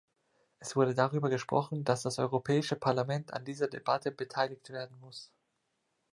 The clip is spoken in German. Es wurde darüber gesprochen, dass das Europäische Parlament an dieser Debatte beteiligt werden muss.